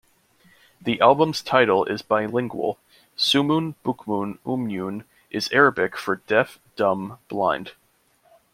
The album's title is bilingual: "Summun Bukmun Umyun" is Arabic for "Deaf Dumb Blind".